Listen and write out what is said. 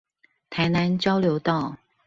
台南交流道